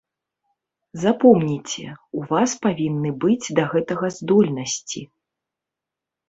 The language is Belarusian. Запомніце, у вас павінны быць да гэтага здольнасці.